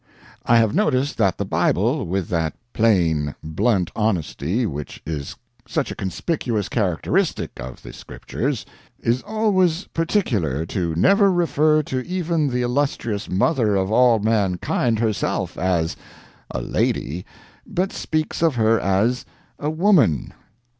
] I have noticed that the Bible, with that plain, blunt honesty which is such a conspicuous characteristic of the Scriptures, is always particular to never refer to even the illustrious mother of all mankind herself as a 'lady,' but speaks of her as a woman.